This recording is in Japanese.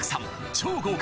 超豪華！